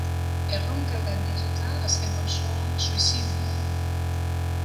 Erronkak gaindituta, azken pausoa suizidioa da.